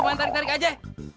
mau tarik tarik aja